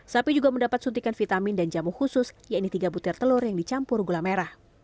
sapi juga mendapat suntikan vitamin dan jamu khusus yaitu tiga butir telur yang dicampur gula merah